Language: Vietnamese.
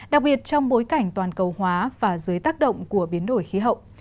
đặc biệt trong bối cảnh toàn cầu hóa và dưới tác động của biến đổi khí hậu